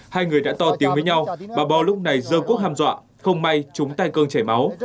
hai người đã to tiếng với nhau bà bo lúc này dơ quốc hàm dọa không may chúng ta cơn chảy máu